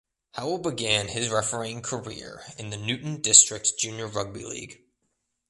Howell began his refereeing career in the Newtown District Junior Rugby League.